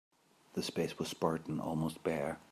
The space was spartan, almost bare.